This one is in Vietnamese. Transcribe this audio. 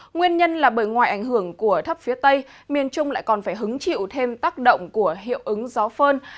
nguyên nhân là bởi ngoài ảnh hưởng của thấp phía tây miền trung lại còn phải hứng chịu thêm tác động của hiệu ứng gió phơn